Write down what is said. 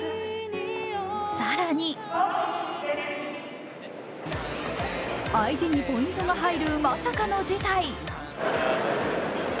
更に相手にポイントが入るまさかの事態。